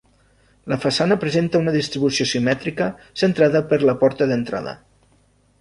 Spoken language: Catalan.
La façana presenta una distribució simètrica centrada per la porta d'entrada.